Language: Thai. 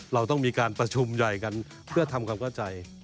เราต้องมีการประชุมใหญ่กันเพื่อทำความเข้าใจ